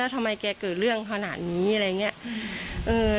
ทำไมแกเกิดเรื่องขนาดนี้อะไรอย่างนี้